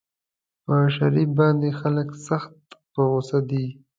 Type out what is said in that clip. پر شریف باندې خلک سخت په غوسه دي.